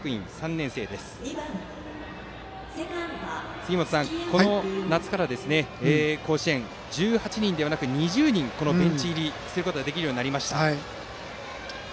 杉本さん、この夏から甲子園は１８人ではなく２０人、ベンチ入りすることができるようになりました。